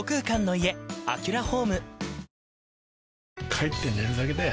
帰って寝るだけだよ